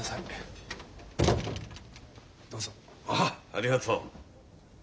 ああありがとう。